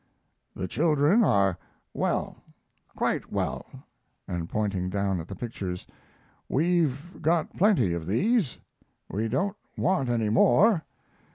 "The children are well, quite well," and (pointing down at the pictures) "We've got plenty like these. We don't want any more.